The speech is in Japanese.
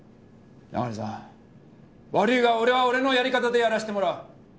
中根さん悪いが俺は俺のやり方でやらせてもらう。